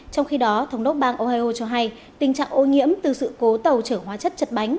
trong khi đó thống đốc bang ohio cho hay tình trạng ô nhiễm từ sự cố tàu chở hóa chất chật bánh